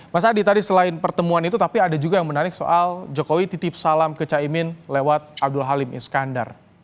mas adi tadi selain pertemuan itu tapi ada juga yang menarik soal jokowi titip salam ke caimin lewat abdul halim iskandar